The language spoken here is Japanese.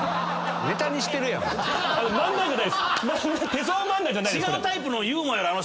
手相漫談じゃないです。